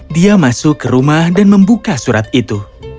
dia masuk ke rumah dan membuka surat itu